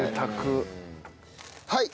はい。